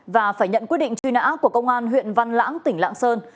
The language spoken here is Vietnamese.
và phải nhận quyết định truy nã của công an huyện văn lãng tỉnh lạng sơn